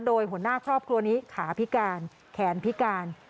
โดยหัวหน้าครอบครัวนี้ขาพิการแขนพิการ